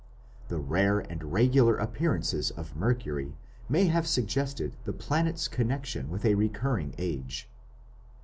The rare and regular appearances of Mercury may have suggested the planet's connection with a recurring Age.